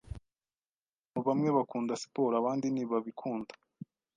Abantu bamwe bakunda siporo, abandi ntibabikunda.